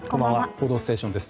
「報道ステーション」です。